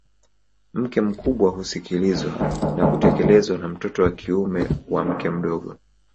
Mke mkubwa husikilizwa na kutekelezwa na mtoto wa kiume wa mke mdogo